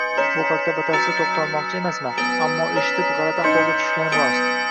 Bu haqda batafsil to`xtalmoqchi emasman, ammo eshitib g`alati ahvolga tushganim rost